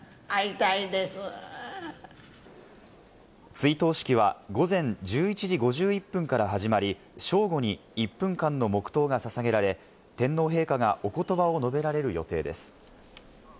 追悼式は午前１１時５１分から始まり、正午に一分間の黙とうがささげられ、天皇陛下が、お言葉を述べられる予定です。